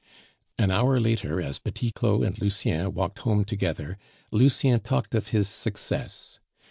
An hour later, as Petit Claud and Lucien walked home together, Lucien talked of his success.